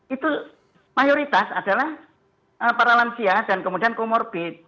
itu mayoritas adalah paralansia dan kemudian komorbid